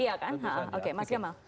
iya kan oke mas gamal